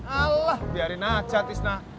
alah biarin aja isna